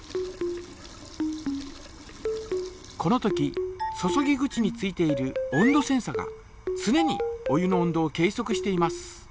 このとき注ぎ口に付いている温度センサがつねにお湯の温度を計そくしています。